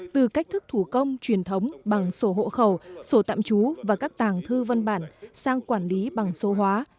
từ cách thức thủ công truyền thống bằng sổ hộ khẩu sổ tạm trú và các tàng thư văn bản sang quản lý bằng số hóa